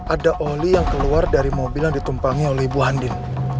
ada oli yang keluar dari mobil yang ditumpangi oleh ibu handil